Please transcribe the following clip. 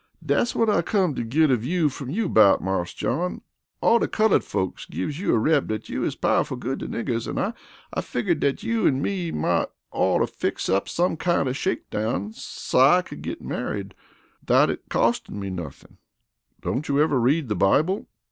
"Dat's whut I come to git a view from you about, Marse John. All de cullud folks gives you a rep dat you is powerful good to niggers an' I figgered dat you an' me mought fix up some kind of shake down so I could git married 'thout costin' me nothin'." "Don't you ever read the Bible?"